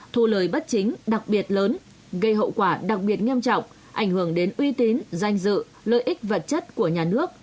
thu lời bất chính đặc biệt lớn gây hậu quả đặc biệt nghiêm trọng ảnh hưởng đến uy tín danh dự lợi ích vật chất của nhà nước